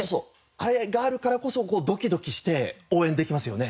あれがあるからこそドキドキして応援できますよね。